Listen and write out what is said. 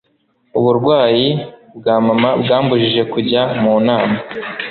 uburwayi bwa mama bwambujije kujya mu nama